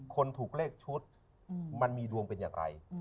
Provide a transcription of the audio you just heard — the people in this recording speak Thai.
คนถูกเลขชุดมันมีดวงเป็นอย่างไร